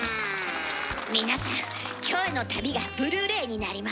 皆さんキョエの旅がブルーレイになります。